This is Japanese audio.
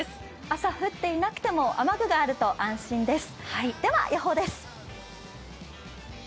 朝降っていなくても雨具があると安心です。